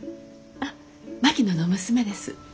あ槙野の娘です。